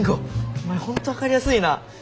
お前本当分かりやすいな。